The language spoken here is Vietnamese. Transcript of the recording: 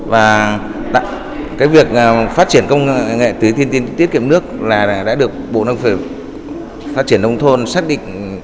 và việc phát triển công nghệ tứ tiên tiến thiết kiệm nước đã được bộ nông nghiệp phát triển nông thôn xác định